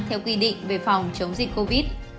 theo quy định về phòng chống dịch covid